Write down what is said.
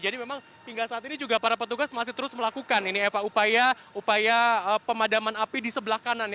jadi memang hingga saat ini juga para petugas masih terus melakukan ini eva upaya pemadaman api di sebelah kanan